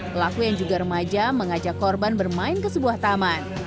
pelaku yang juga remaja mengajak korban bermain ke sebuah taman